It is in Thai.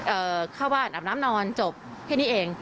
เข้าบ้านอาบน้ำนอนจบแค่นี้เอง